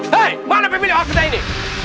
hei mana pemilih hak kita ini